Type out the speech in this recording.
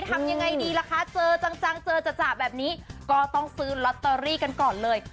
ทำยังไงดีล่ะคะเจอจังเจอจ่ะแบบนี้ก็ต้องซื้อลอตเตอรี่กันก่อนเลย